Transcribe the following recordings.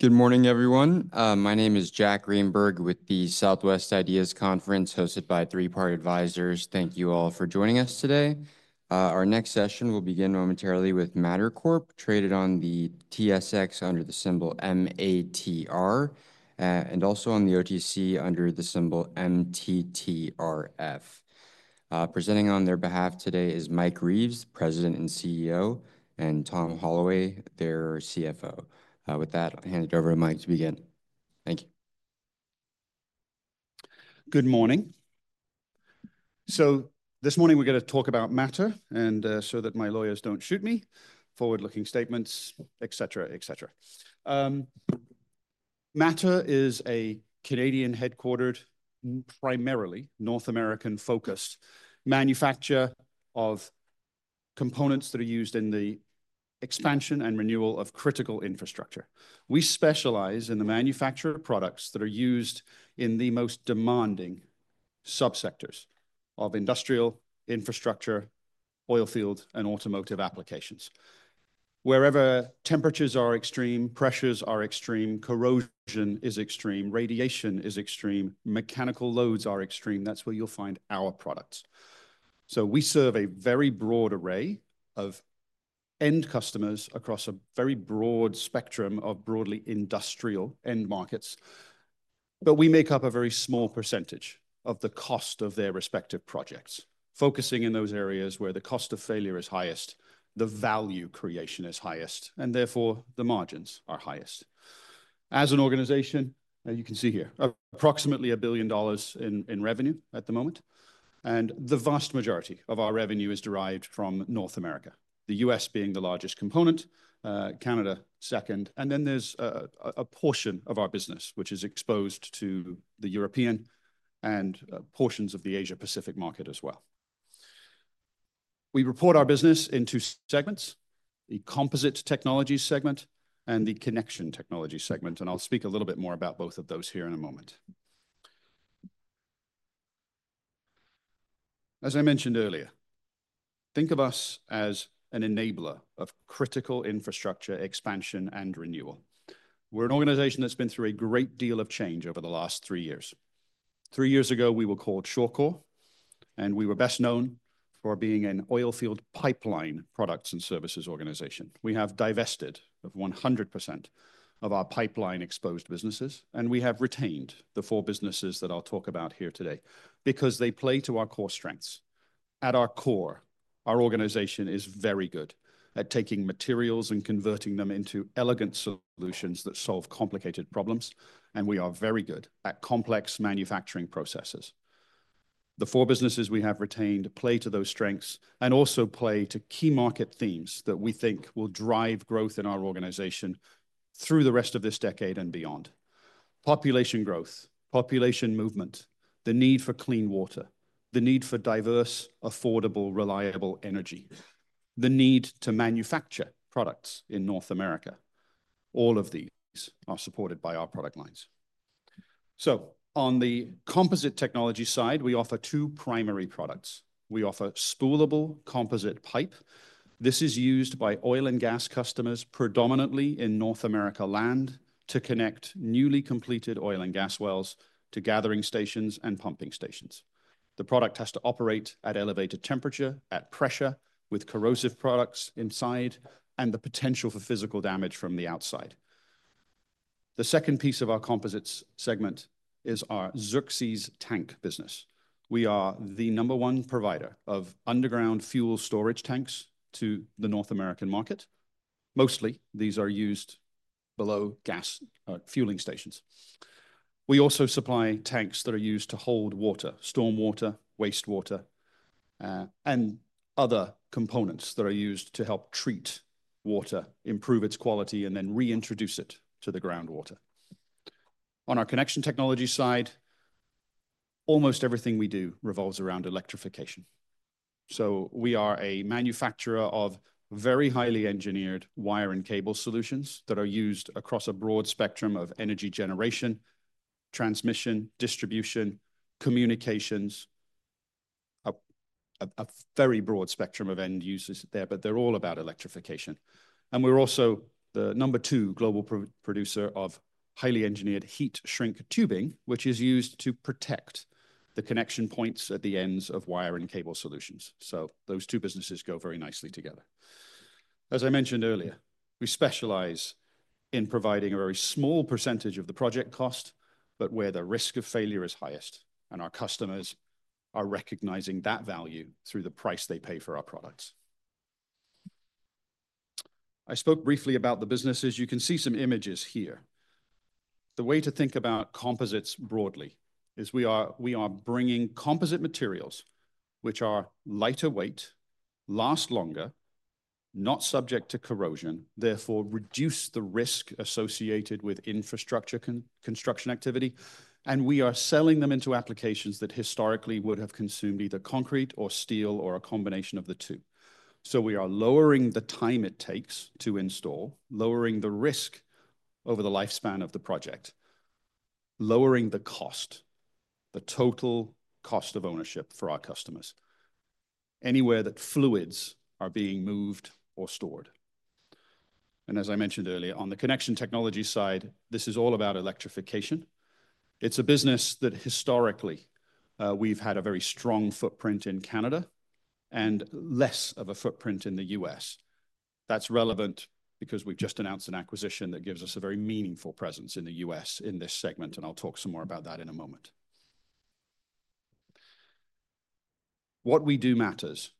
Good morning, everyone. My name is Jack Reinberg with the Southwest IDEAS Conference hosted by Three Part Advisors. Thank you all for joining us today. Our next session will begin momentarily with Mattr Corp, traded on the TSX under the symbol MATR, and also on the OTC under the symbol MTTRF. Presenting on their behalf today is Mike Reeves, President and CEO, and Tom Holloway, their CFO. With that, I'll hand it over to Mike to begin. Thank you. Good morning. So this morning we're going to talk about Mattr and so that my lawyers don't shoot me, forward-looking statements, etc., etc. Mattr is a Canadian-headquartered, primarily North American-focused manufacturer of components that are used in the expansion and renewal of critical infrastructure. We specialize in the manufactured products that are used in the most demanding subsectors of industrial infrastructure, oil field, and automotive applications. Wherever temperatures are extreme, pressures are extreme, corrosion is extreme, radiation is extreme, mechanical loads are extreme, that's where you'll find our products. So we serve a very broad array of end customers across a very broad spectrum of broadly industrial end markets. But we make up a very small percentage of the cost of their respective projects, focusing in those areas where the cost of failure is highest, the value creation is highest, and therefore the margins are highest. As an organization, you can see here, approximately a billion in revenue at the moment, and the vast majority of our revenue is derived from North America, the U.S. being the largest component, Canada second, and then there's a portion of our business which is exposed to European and portions of the Asia-Pacific market as well. We report our business into segments, the Composite Technology segment and the Connection Technology segment, and I'll speak a little bit more about both of those here in a moment. As I mentioned earlier, think of us as an enabler of critical infrastructure expansion and renewal. We're an organization that's been through a great deal of change over the last three years. Three years ago, we were called Shawcor, and we were best known for being an oil field pipeline products and services organization. We have divested of 100% of our pipeline exposed businesses, and we have retained the four businesses that I'll talk about here today because they play to our core strengths. At our core, our organization is very good at taking materials and converting them into elegant solutions that solve complicated problems, and we are very good at complex manufacturing processes. The four businesses we have retained play to those strengths and also play to key market themes that we think will drive growth in our organization through the rest of this decade and beyond. Population growth, population movement, the need for clean water, the need for diverse, affordable, reliable energy, the need to manufacture products in North America, all of these are supported by our product lines. So on the composite technology side, we offer two primary products. We offer spoolable composite pipe. This is used by oil and gas customers predominantly in North American land to connect newly completed oil and gas wells to gathering stations and pumping stations. The product has to operate at elevated temperature, at pressure, with corrosive products inside and the potential for physical damage from the outside. The second piece of our composites segment is our Xerxes tank business. We are the number one provider of underground fuel storage tanks to the North American market. Mostly, these are used below gas fueling stations. We also supply tanks that are used to hold water, stormwater, wastewater, and other components that are used to help treat water, improve its quality, and then reintroduce it to the groundwater. On our connection technology side, almost everything we do revolves around electrification. We are a manufacturer of very highly engineered wire and cable solutions that are used across a broad spectrum of energy generation, transmission, distribution, communications, a very broad spectrum of end users there, but they're all about electrification. And we're also the number two global producer of highly engineered heat shrink tubing, which is used to protect the connection points at the ends of wire and cable solutions. So those two businesses go very nicely together. As I mentioned earlier, we specialize in providing a very small percentage of the project cost, but where the risk of failure is highest and our customers are recognizing that value through the price they pay for our products. I spoke briefly about the businesses. You can see some images here. The way to think about composites broadly is we are bringing composite materials which are lighter weight, last longer, not subject to corrosion, therefore reduce the risk associated with infrastructure construction activity, and we are selling them into applications that historically would have consumed either concrete or steel or a combination of the two. So we are lowering the time it takes to install, lowering the risk over the lifespan of the project, lowering the cost, the total cost of ownership for our customers anywhere that fluids are being moved or stored, and as I mentioned earlier, on the connection technology side, this is all about electrification. It's a business that historically we've had a very strong footprint in Canada and less of a footprint in the U.S. That's relevant because we've just announced an acquisition that gives us a very meaningful presence in the U.S. In this segment, and I'll talk some more about that in a moment. What we do matters,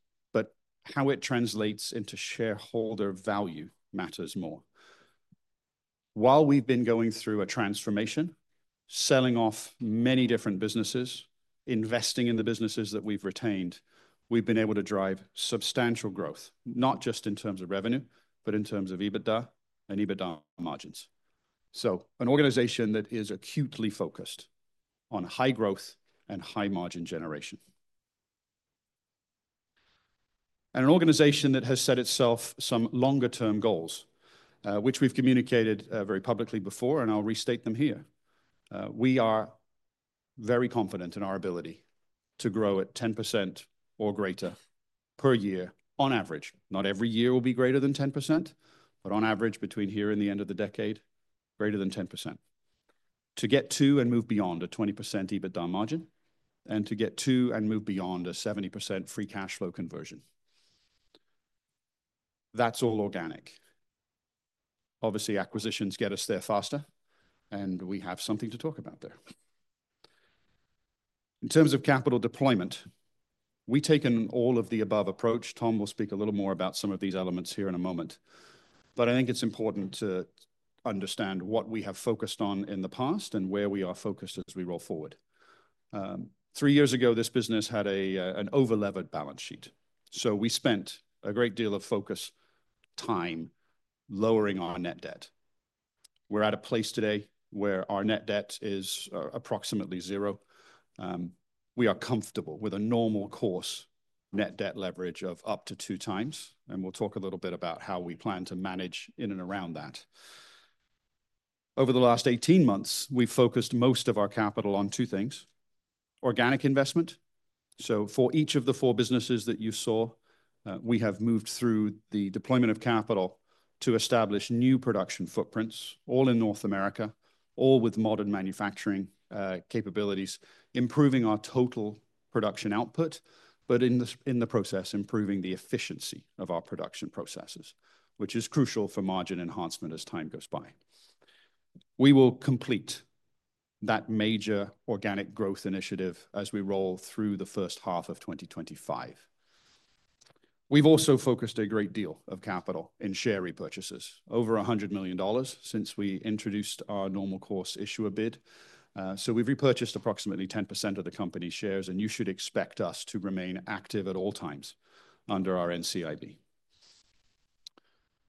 but how it translates into shareholder value matters more. While we've been going through a transformation, selling off many different businesses, investing in the businesses that we've retained, we've been able to drive substantial growth, not just in terms of revenue, but in terms of EBITDA and EBITDA margins. So an organization that is acutely focused on high growth and high margin generation. And an organization that has set itself some longer-term goals, which we've communicated very publicly before, and I'll restate them here. We are very confident in our ability to grow at 10% or greater per year on average. Not every year will be greater than 10%, but on average between here and the end of the decade, greater than 10%. To get to and move beyond a 20% EBITDA margin and to get to and move beyond a 70% free cash flow conversion. That's all organic. Obviously, acquisitions get us there faster, and we have something to talk about there. In terms of capital deployment, we take in all of the above approach. Tom will speak a little more about some of these elements here in a moment. But I think it's important to understand what we have focused on in the past and where we are focused as we roll forward. Three years ago, this business had an over-levered balance sheet. So we spent a great deal of focus time lowering our net debt. We're at a place today where our net debt is approximately zero. We are comfortable with a normal course net debt leverage of up to two times, and we'll talk a little bit about how we plan to manage in and around that. Over the last 18 months, we've focused most of our capital on two things: organic investment. So for each of the four businesses that you saw, we have moved through the deployment of capital to establish new production footprints, all in North America, all with modern manufacturing capabilities, improving our total production output, but in the process, improving the efficiency of our production processes, which is crucial for margin enhancement as time goes by. We will complete that major organic growth initiative as we roll through the first half of 2025. We've also focused a great deal of capital in share repurchases, over 100 million dollars since we introduced our normal course issuer bid. We've repurchased approximately 10% of the company's shares, and you should expect us to remain active at all times under our NCIB.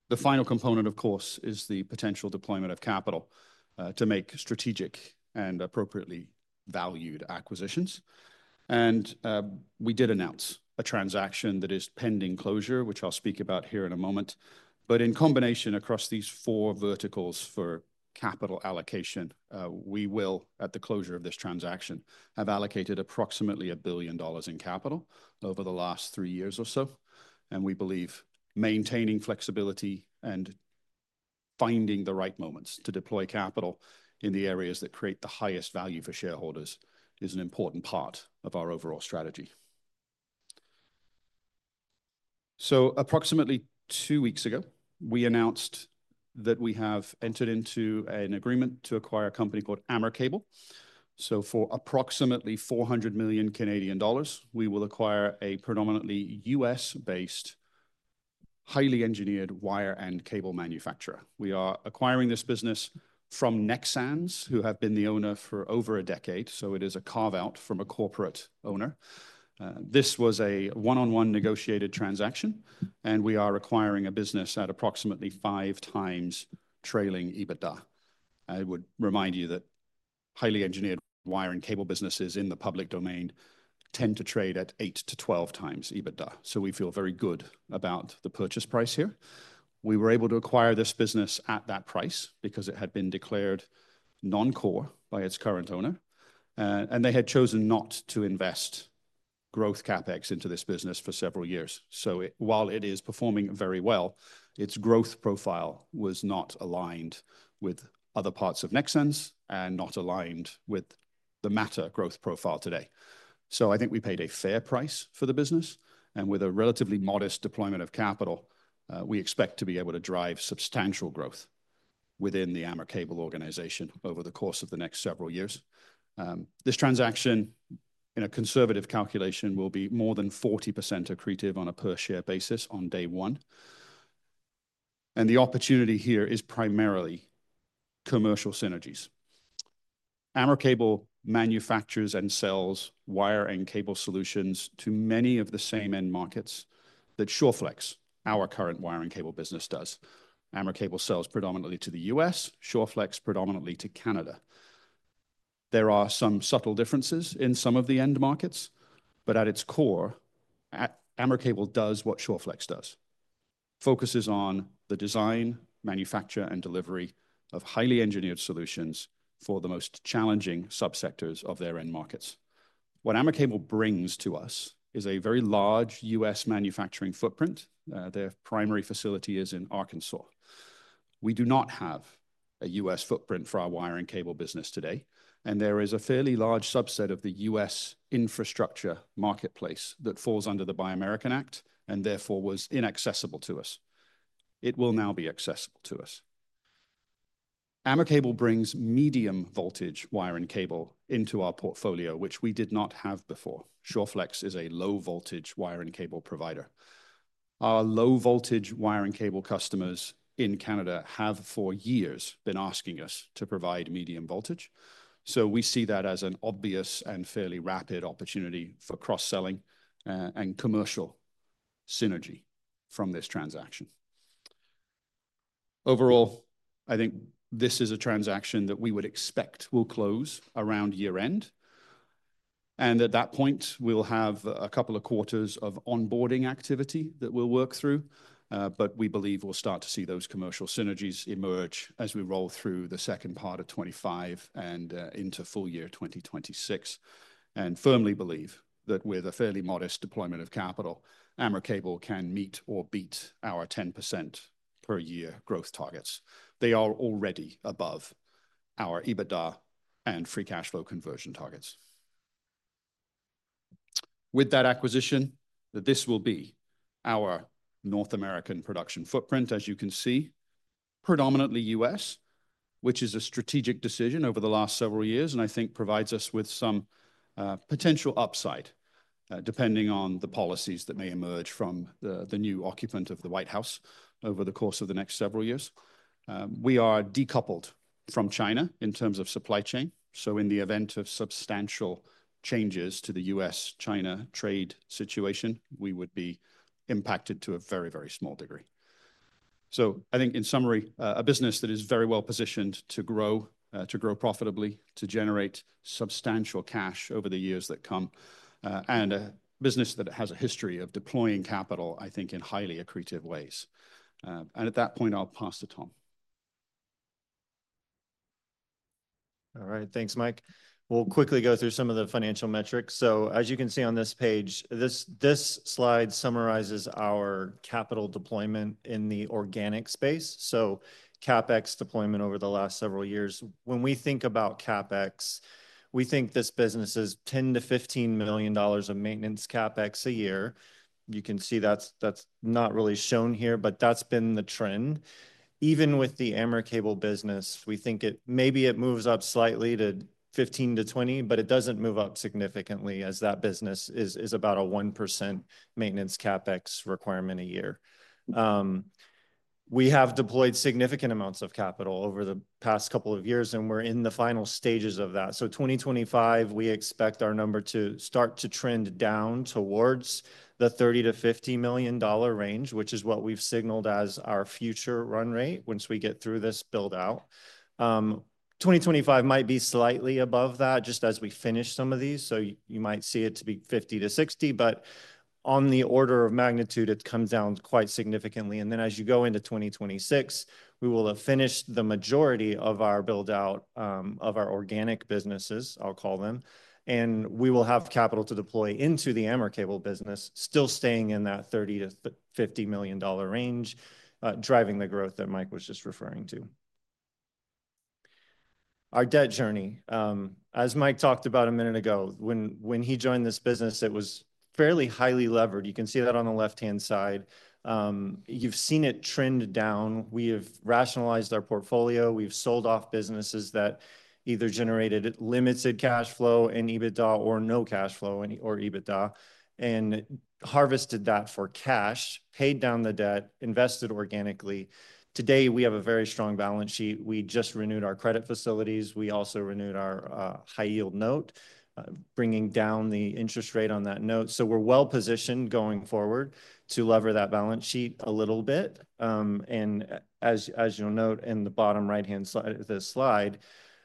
The final component, of course, is the potential deployment of capital to make strategic and appropriately valued acquisitions. We did announce a transaction that is pending closure, which I'll speak about here in a moment. In combination across these four verticals for capital allocation, we will, at the closure of this transaction, have allocated approximately a billion dollars in capital over the last three years or so. We believe maintaining flexibility and finding the right moments to deploy capital in the areas that create the highest value for shareholders is an important part of our overall strategy. Approximately two weeks ago, we announced that we have entered into an agreement to acquire a company called AmerCable. For approximately 400 million Canadian dollars, we will acquire a predominantly U.S.-based, highly engineered wire and cable manufacturer. We are acquiring this business from Nexans, who have been the owner for over a decade. It is a carve-out from a corporate owner. This was a one-on-one negotiated transaction, and we are acquiring a business at approximately five times trailing EBITDA. I would remind you that highly engineered wire and cable businesses in the public domain tend to trade at 8x-12x EBITDA. We feel very good about the purchase price here. We were able to acquire this business at that price because it had been declared non-core by its current owner, and they had chosen not to invest growth CapEx into this business for several years. While it is performing very well, its growth profile was not aligned with other parts of Nexans and not aligned with the Mattr growth profile today. I think we paid a fair price for the business, and with a relatively modest deployment of capital, we expect to be able to drive substantial growth within the AmerCable organization over the course of the next several years. This transaction, in a conservative calculation, will be more than 40% accretive on a per-share basis on day one. The opportunity here is primarily commercial synergies. AmerCable manufactures and sells wire and cable solutions to many of the same end markets that Shawflex, our current wire and cable business, does. AmerCable sells predominantly to the U.S., Shawflex predominantly to Canada. There are some subtle differences in some of the end markets, but at its core, AmerCable does what Shawflex does, focuses on the design, manufacture, and delivery of highly engineered solutions for the most challenging subsectors of their end markets. What AmerCable brings to us is a very large U.S. manufacturing footprint. Their primary facility is in Arkansas. We do not have a U.S. footprint for our wire and cable business today, and there is a fairly large subset of the U.S. infrastructure marketplace that falls under the Buy American Act and therefore was inaccessible to us. It will now be accessible to us. AmerCable brings medium voltage wire and cable into our portfolio, which we did not have before. Shawflex is a low voltage wire and cable provider. Our low voltage wire and cable customers in Canada have for years been asking us to provide medium voltage, so we see that as an obvious and fairly rapid opportunity for cross-selling and commercial synergy from this transaction. Overall, I think this is a transaction that we would expect will close around year-end, and at that point, we'll have a couple of quarters of onboarding activity that we'll work through, but we believe we'll start to see those commercial synergies emerge as we roll through the second part of 2025 and into full year 2026, and firmly believe that with a fairly modest deployment of capital, AmerCable can meet or beat our 10% per year growth targets. They are already above our EBITDA and free cash flow conversion targets. With that acquisition, this will be our North American production footprint, as you can see, predominantly U.S., which is a strategic decision over the last several years and I think provides us with some potential upside depending on the policies that may emerge from the new occupant of the White House over the course of the next several years. We are decoupled from China in terms of supply chain. So in the event of substantial changes to the U.S.-China trade situation, we would be impacted to a very, very small degree. So I think in summary, a business that is very well positioned to grow profitably, to generate substantial cash over the years that come, and a business that has a history of deploying capital, I think, in highly accretive ways. And at that point, I'll pass to Tom. All right, thanks, Mike. We'll quickly go through some of the financial metrics. So as you can see on this page, this slide summarizes our capital deployment in the organic space. So CapEx deployment over the last several years. When we think about CapEx, we think this business is 10 million -15 million dollars of Maintenance CapEx a year. You can see that's not really shown here, but that's been the trend. Even with the AmerCable business, we think it maybe moves up slightly to 15 million -20, but it doesn't move up significantly as that business is about a 1% Maintenance CapEx requirement a year. We have deployed significant amounts of capital over the past couple of years, and we're in the final stages of that. So, 2025, we expect our number to start to trend down towards the 30 million -50 million dollar range, which is what we've signaled as our future run rate once we get through this build-out. 2025 might be slightly above that just as we finish some of these. So you might see it to be 50 million -60 million, but on the order of magnitude, it comes down quite significantly. And then as you go into 2026, we will have finished the majority of our build-out of our organic businesses, I'll call them, and we will have capital to deploy into the AmerCable business, still staying in that 30 million -50 million dollar range, driving the growth that Mike was just referring to. Our debt journey, as Mike talked about a minute ago, when he joined this business, it was fairly highly levered. You can see that on the left-hand side. You've seen it trend down. We have rationalized our portfolio. We've sold off businesses that either generated limited cash flow in EBITDA or no cash flow or EBITDA and harvested that for cash, paid down the debt, invested organically. Today, we have a very strong balance sheet. We just renewed our credit facilities. We also renewed our high-yield note, bringing down the interest rate on that note. So we're well positioned going forward to lever that balance sheet a little bit. And as you'll note in the bottom right-hand slide,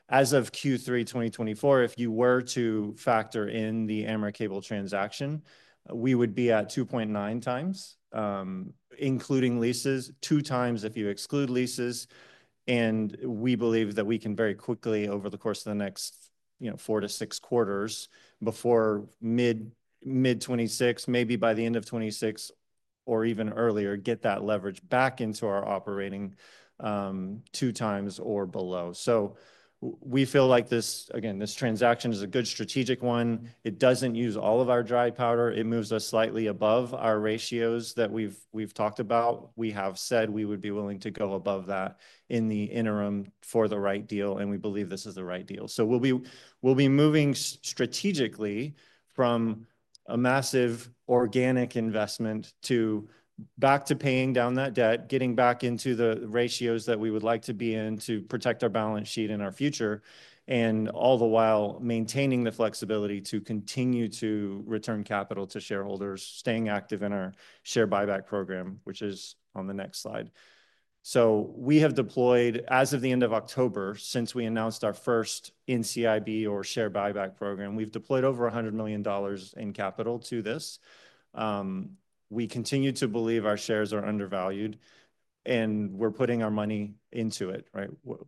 as of Q3 2024, if you were to factor in the AmerCable transaction, we would be at 2.9x, including leases, 2x if you exclude leases. We believe that we can very quickly, over the course of the next four to six quarters before mid-2026, maybe by the end of 2026 or even earlier, get that leverage back into our operating 2x or below. We feel like this, again, this transaction is a good strategic one. It doesn't use all of our dry powder. It moves us slightly above our ratios that we've talked about. We have said we would be willing to go above that in the interim for the right deal, and we believe this is the right deal. We'll be moving strategically from a massive organic investment back to paying down that debt, getting back into the ratios that we would like to be in to protect our balance sheet in our future, and all the while maintaining the flexibility to continue to return capital to shareholders, staying active in our share buyback program, which is on the next slide. We have deployed, as of the end of October, since we announced our first NCIB or share buyback program, we've deployed over 100 million dollars in capital to this. We continue to believe our shares are undervalued, and we're putting our money into it.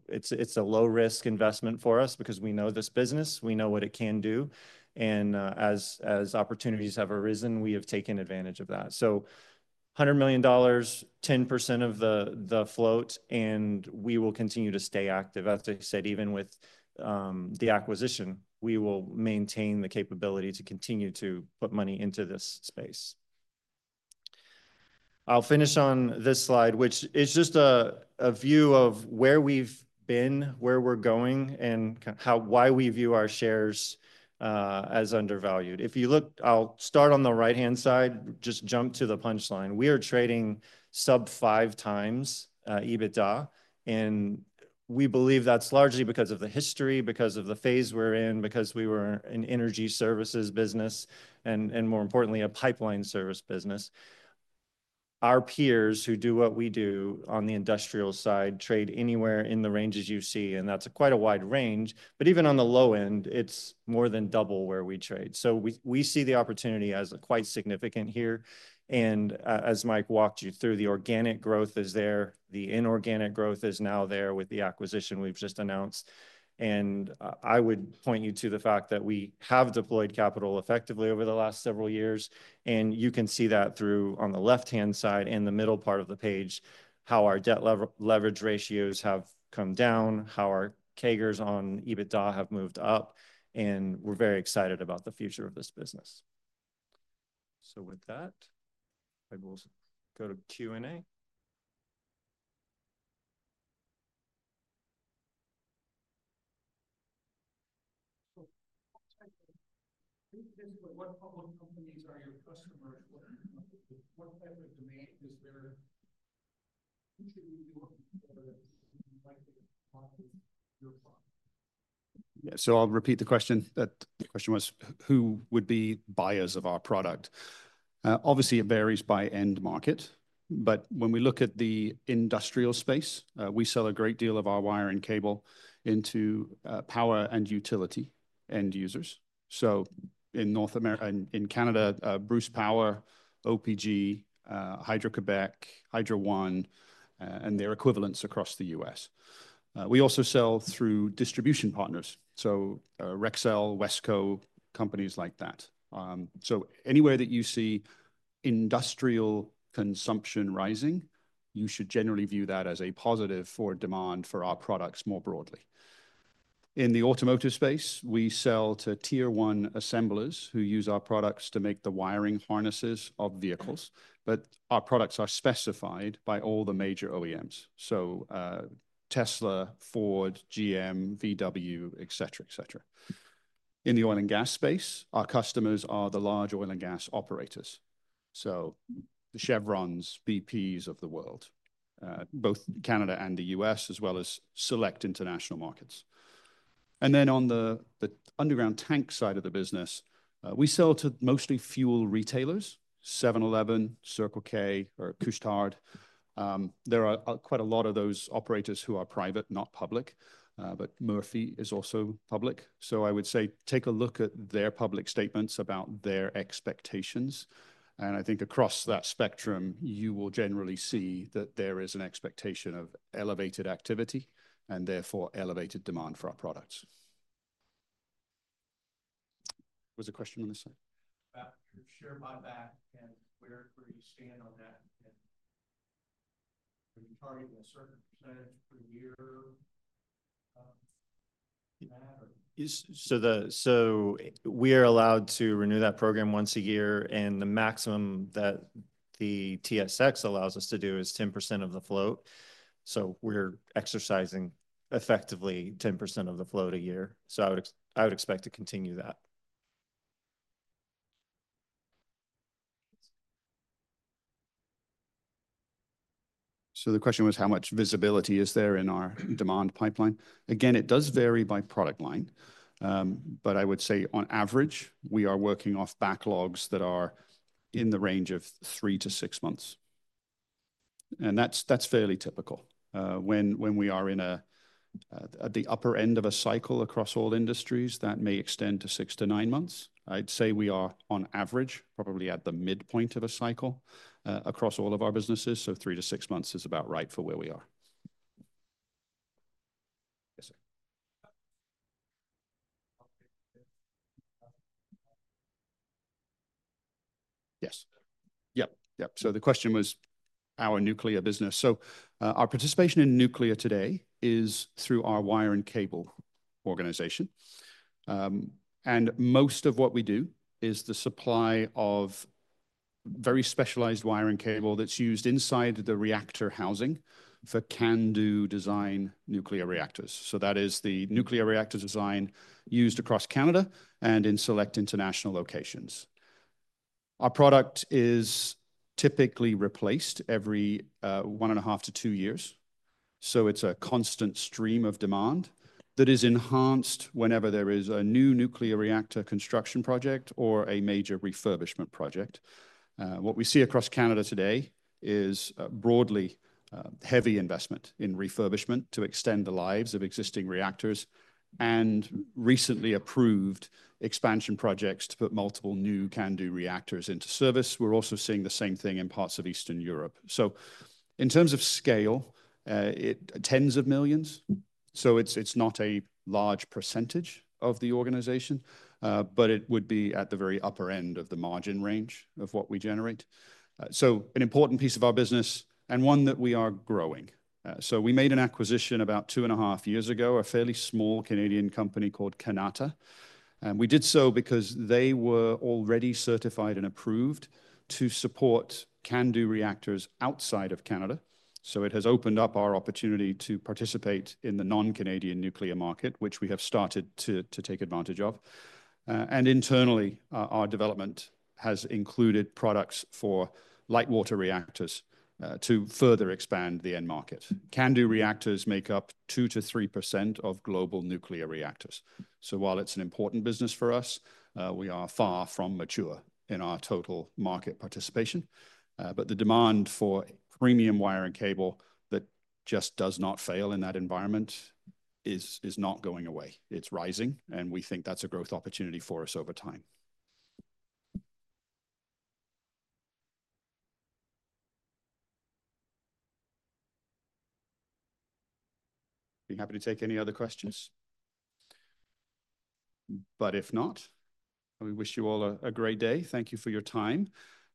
It's a low-risk investment for us because we know this business, we know what it can do. As opportunities have arisen, we have taken advantage of that. 100 million dollars, 10% of the float, and we will continue to stay active. As I said, even with the acquisition, we will maintain the capability to continue to put money into this space. I'll finish on this slide, which is just a view of where we've been, where we're going, and why we view our shares as undervalued. If you look, I'll start on the right-hand side, just jump to the punchline. We are trading sub 5x EBITDA, and we believe that's largely because of the history, because of the phase we're in, because we were an energy services business, and more importantly, a pipeline service business. Our peers who do what we do on the industrial side trade anywhere in the ranges you see, and that's quite a wide range. But even on the low end, it's more than double where we trade. So we see the opportunity as quite significant here. And as Mike walked you through, the organic growth is there, the inorganic growth is now there with the acquisition we've just announced. And I would point you to the fact that we have deployed capital effectively over the last several years. And you can see that through on the left-hand side in the middle part of the page, how our debt leverage ratios have come down, how our CAGRs on EBITDA have moved up, and we're very excited about the future of this business. So with that, I will go to Q&A. Yeah, so I'll repeat the question. The question was, who would be buyers of our product? Obviously, it varies by end market, but when we look at the industrial space, we sell a great deal of our wire and cable into power and utility end users. So in North America and in Canada, Bruce Power, OPG, Hydro-Québec, Hydro One, and their equivalents across the U.S. We also sell through distribution partners, so Rexel, Wesco, companies like that. So anywhere that you see industrial consumption rising, you should generally view that as a positive for demand for our products more broadly. In the automotive space, we sell to tier 1 assemblers who use our products to make the wiring harnesses of vehicles, but our products are specified by all the major OEMs. So Tesla, Ford, GM, VW, et cetera, et cetera. In the oil and gas space, our customers are the large oil and gas operators. So the Chevrons, BPs of the world, both Canada and the U.S., as well as select international markets. And then on the underground tank side of the business, we sell to mostly fuel retailers, 7-Eleven, Circle K, or Couche-Tard. There are quite a lot of those operators who are private, not public, but Murphy is also public, so I would say take a look at their public statements about their expectations, and I think across that spectrum, you will generally see that there is an expectation of elevated activity and therefore elevated demand for our products. Was there a question on this side, about your share buyback and where you stand on that and are you targeting a certain percentage per year, so we are allowed to renew that program once a year, and the maximum that the TSX allows us to do is 10% of the float, so we're exercising effectively 10% of the float a year, so I would expect to continue that, so the question was, how much visibility is there in our demand pipeline? Again, it does vary by product line, but I would say on average, we are working off backlogs that are in the range of three-six months. And that's fairly typical. When we are at the upper end of a cycle across all industries, that may extend to six-nine months. I'd say we are on average probably at the midpoint of a cycle across all of our businesses. So three-six months is about right for where we are. Yes, sir. Yes. Yep. Yep. So the question was our nuclear business. So our participation in nuclear today is through our wire and cable organization. And most of what we do is the supply of very specialized wire and cable that's used inside the reactor housing for CANDU design nuclear reactors. So that is the nuclear reactor design used across Canada and in select international locations. Our product is typically replaced every one and a half-two years. So it's a constant stream of demand that is enhanced whenever there is a new nuclear reactor construction project or a major refurbishment project. What we see across Canada today is broadly heavy investment in refurbishment to extend the lives of existing reactors and recently approved expansion projects to put multiple new CANDU reactors into service. We're also seeing the same thing in parts of Eastern Europe. So in terms of scale, tens of millions. So it's not a large percentage of the organization, but it would be at the very upper end of the margin range of what we generate. So an important piece of our business and one that we are growing. So we made an acquisition about two and a half years ago, a fairly small Canadian company called Kanata. And we did so because they were already certified and approved to support CANDU reactors outside of Canada. So it has opened up our opportunity to participate in the non-Canadian nuclear market, which we have started to take advantage of. And internally, our development has included products for light water reactors to further expand the end market. CANDU reactors make up 2%-3% of global nuclear reactors. So while it's an important business for us, we are far from mature in our total market participation. But the demand for premium wire and cable that just does not fail in that environment is not going away. It's rising, and we think that's a growth opportunity for us over time. I'm happy to take any other questions. But if not, we wish you all a great day. Thank you for your time.